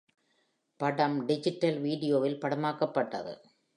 படம் டிஜிட்டல் வீடியோவில் படமாக்கப்பட்டது.